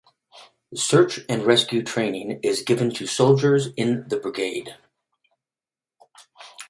Search and rescue training is given to soldiers in the brigade.